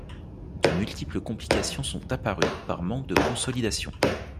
De multiples complications sont apparues par manque de consolidation.